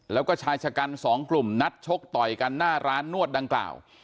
แล้วก็ชายชะกันสองกลุ่มนัดชกต่อยกันหน้าร้านนวดดังกล่าว